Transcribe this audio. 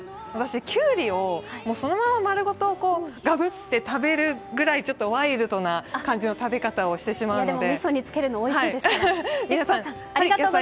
きゅうりをそのまま丸ごと、がぶって食べるぐらいちょっとワイルドな感じの食べ方をしてしまうんで。